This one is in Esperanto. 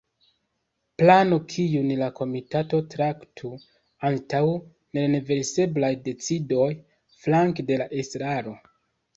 Plano kiun la komitato traktu antaŭ nerenverseblaj decidoj flanke de la estraro.